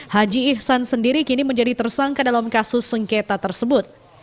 haji ihsan sendiri kini menjadi tersangka dalam kasus sengketa tersebut